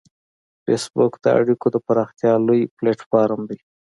فېسبوک د اړیکو د پراختیا لوی پلیټ فارم دی